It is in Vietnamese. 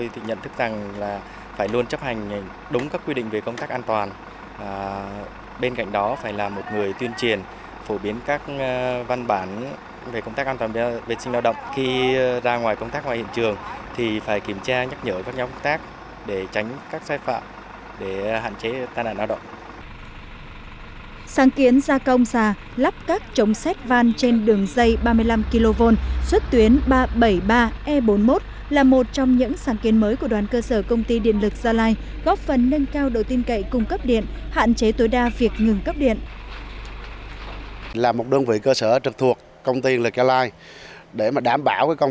vì vậy các quy định về công tác an toàn vệ sinh lao động đã được một trăm linh đoàn viên thanh niên công ty liên tục thực hiện